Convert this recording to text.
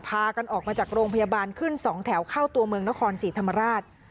พากันออกมาจากโรงพยาบาลขึ้น๒แถวเข้าตัวเมืองนครศรีธรรมราช